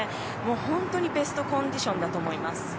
もう本当にベストコンディションだと思います。